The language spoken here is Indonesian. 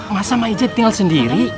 masa ma ija tinggal sendiri